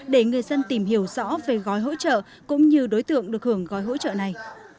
để người dân tìm hiểu rõ về gói hỗ trợ cũng như đối tượng được hưởng gói hỗ trợ này